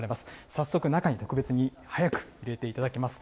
早速、中に特別に早く入れていただきます。